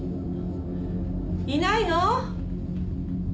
いないの？